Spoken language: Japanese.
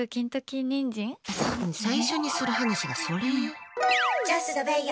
最初にする話がそれ？